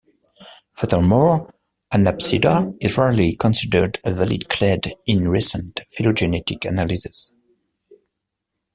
Furthermore, Anapsida is rarely considered a valid clade in recent phylogenetic analyses.